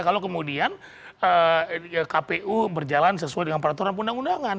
kalau kemudian kpu berjalan sesuai dengan peraturan undang undangan